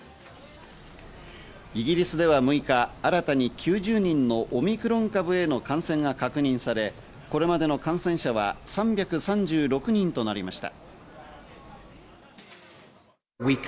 イギリスでは６日、新たに９０人のオミクロン株への感染が確認され、これまでの感染者は３３６人となりました。